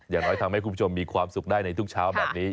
อย่างน้อยทำให้คุณผู้ชมมีความสุขได้ในทุกเช้าแบบนี้